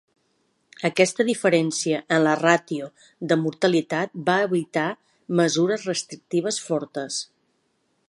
Aquesta diferència en la ràtio de mortalitat va evitar mesures restrictives fortes.